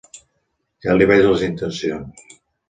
Ja li veig les intencions.